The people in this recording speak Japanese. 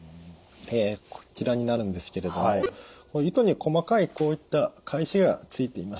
こちらになるんですけれども糸に細かいこういった返しがついています。